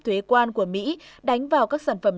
thuế quan của mỹ đánh vào các sản phẩm